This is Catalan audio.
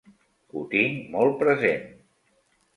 Ho tinc molt present.